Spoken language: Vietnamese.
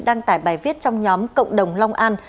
đăng tải bài viết trong nhóm cộng đồng long an